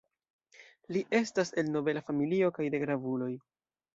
Li estas el nobela familio kaj de gravuloj.